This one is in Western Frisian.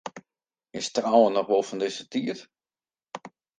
Is trouwen noch wol fan dizze tiid?